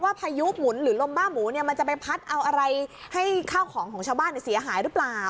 พายุหมุนหรือลมบ้าหมูเนี่ยมันจะไปพัดเอาอะไรให้ข้าวของของชาวบ้านเสียหายหรือเปล่า